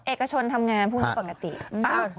เอกชนทำงานพวกนี้ปกติ